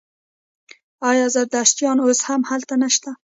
آیا زردشتیان اوس هم هلته نشته؟